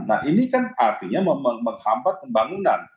nah ini kan artinya menghambat pembangunan